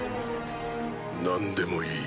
何でもいい。